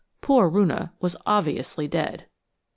Poor Roonah was obviously dead.